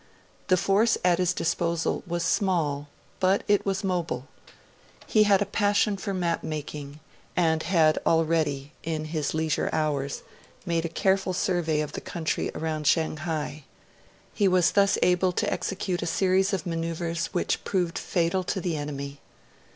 The force at his disposal was small, but it was mobile. He had a passion for map making, and had already, in his leisure hours, made a careful survey of the country round Shanghai; he was thus able to execute a series of manoeuvres which proved fatal to the enemy.